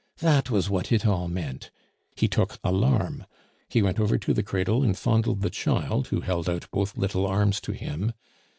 That was what it all meant. He took alarm. He went over to the cradle and fondled the child, who held out both little arms to him.